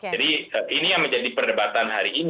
jadi ini yang menjadi perdebatan hari ini